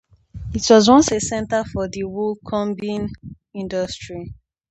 It was once a centre for the woolcombing industry.